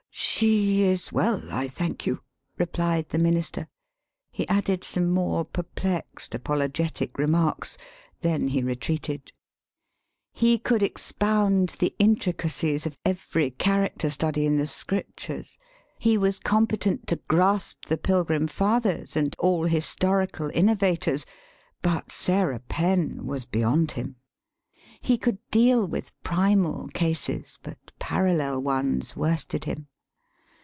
"She is well, I thank you," [replied the min ister. He added some more perplexed apolo getic remarks; then he retreated]. He could expound the intricacies of every character study in the Scriptures, he was com petent to grasp the Pilgrim Fathers and all historical innovators, but Sarah Penn was be yond him. [He could deal with primal cases, but parallel ones worsted him.